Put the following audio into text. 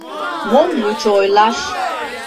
Мом лучо ойлаш!..